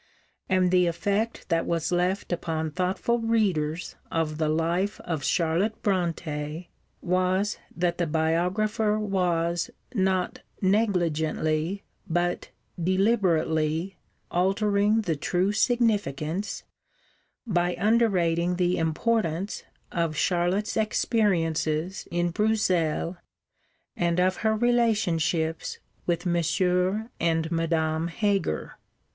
And the effect that was left upon thoughtful readers of the Life of Charlotte Brontë' was that the biographer was, not negligently, but deliberately, altering the true significance, by underrating the importance, of Charlotte's experiences in Bruxelles, and of her relationships with Monsieur and Madame Heger.